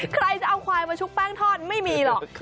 ใครจะเอาควายมาชุบแป้งทอดไม่มีหรอก